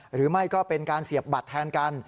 หรือไม่ก็เป็นการเสียบบัตรแทนกัน